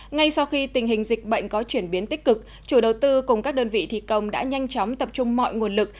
ngay sau khi tình hình dịch bệnh có chuyển biến tích cực chủ đầu tư cùng các đơn vị thi công đã nhanh chóng tập trung mọi nguồn lực